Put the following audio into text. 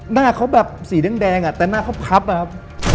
หน้าเขาแบบสีแดงแต่หน้าเขาพับอะครับ